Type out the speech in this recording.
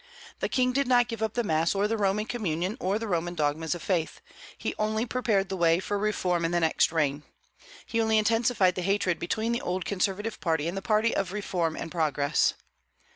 The King did not give up the Mass or the Roman communion or Roman dogmas of faith; he only prepared the way for reform in the next reign. He only intensified the hatred between the old conservative party and the party of reform and progress.